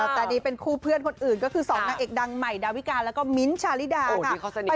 แต่นี่เป็นคู่เพื่อนคนอื่นก็คือ๒นางเอกดังใหม่ดาวิกาแล้วก็มิ้นท์ชาลิดาค่ะ